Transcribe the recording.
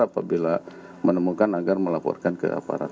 apabila menemukan agar melaporkan ke aparat